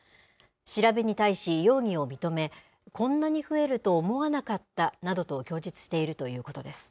調べに対し容疑を認め、こんなに増えると思わなかったなどと供述しているということです。